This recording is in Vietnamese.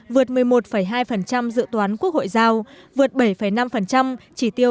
vượt một mươi một hai dự toán quốc hội giao vượt bảy năm chỉ tiêu phát triển